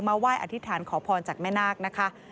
ไหว้อธิษฐานขอพรจากแม่นาคนะคะ